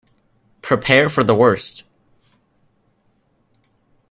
Prepare for the worst!